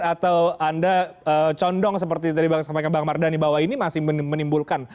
atau anda condong seperti tadi yang saya panggil bang mardhani bahwa ini masih menimbulkan